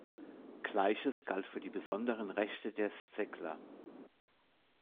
Gleiches galt für die besonderen Rechte der Szekler.